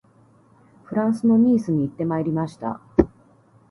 フランスのニースに行ってまいりました